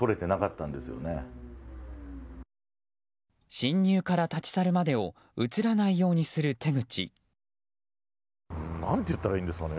侵入から立ち去るまでを映らないようにする手口。